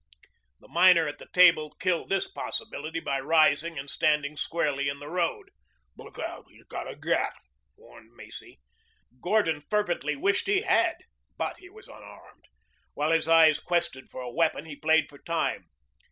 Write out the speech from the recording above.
The miner at the table killed this possibility by rising and standing squarely in the road. "Look out! He's got a gat," warned Macy. Gordon fervently wished he had. But he was unarmed. While his eyes quested for a weapon he played for time.